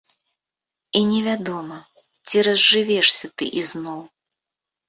І невядома, ці разжывешся ты ізноў.